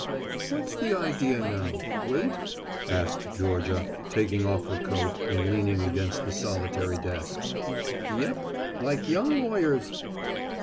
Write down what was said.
"What's the idea now wait?" asked Georgia, taking off her coat and leaning against the solitary desk. "Yep like young lawyers."